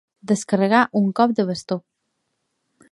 Descarregar un cop de bastó.